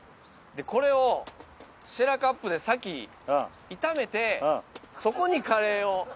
でこれをシェラカップで先炒めてそこにカレーを。